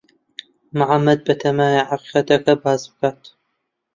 محەمەد بەتەمایە حەقیقەتەکە باس بکات.